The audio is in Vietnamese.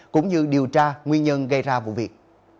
cũng như điều tra nguyên nhân gây ra vụ việc